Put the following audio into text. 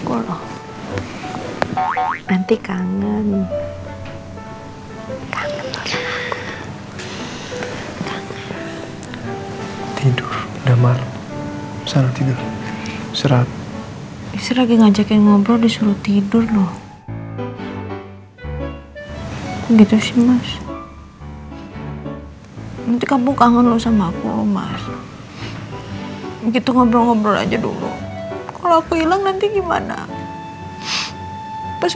udah kayak cupang dalam toples